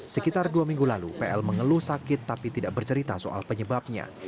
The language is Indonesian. sekitar dua minggu lalu pl mengeluh sakit tapi tidak bercerita soal penyebabnya